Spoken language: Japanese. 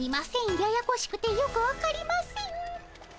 ややこしくてよくわかりません。